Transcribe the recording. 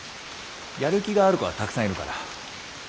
やる気がある子はたくさんいるから。